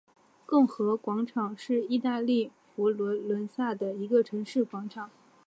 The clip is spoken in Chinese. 共和广场是意大利佛罗伦萨的一个城市广场。